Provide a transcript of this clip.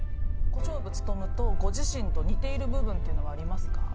小勝負勉とご自身と似ている部分っていうのはありますか？